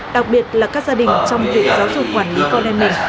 đặc biệt là các gia đình trong việc giáo dục quản lý con em mình